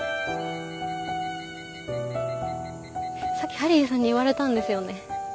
さっきハリーさんに言われたんですよね。